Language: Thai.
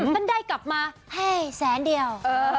มันได้กลับมาเฮ้ยแสนเดียว